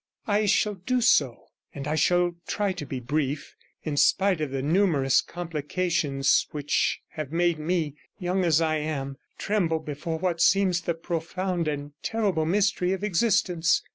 'I shall do so, and I shall try to be brief, in spite of the numerous complications which have made me, young as I am, tremble before what seems the profound and terrible mystery of existence.